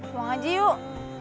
pulang aja yuk